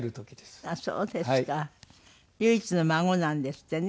唯一の孫なんですってね